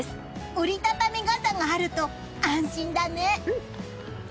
折り畳み傘があると安心だね！